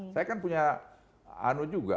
saya kan punya anu juga